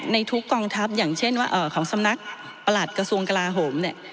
ในทุกกองทัพอย่างเช่นว่าของสำนักประหลัดกระทรวงกลาโหมเนี่ย